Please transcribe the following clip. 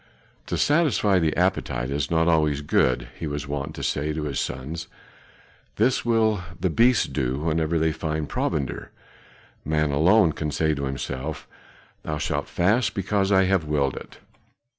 "To satisfy the appetite is not always good," he was wont to say to his sons. "This will the beasts do whenever they find provender. Man alone can say to himself, thou shalt fast because I have willed it.